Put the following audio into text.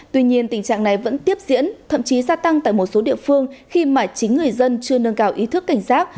tuy nhiên tình trạng này vẫn tiếp diễn thậm chí gia tăng tại một số địa phương khi mà chính người dân chưa nâng cao ý thức cảnh giác